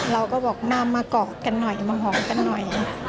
เราก็บอกนำมากอดกันหน่อยมาหอมกันหน่อย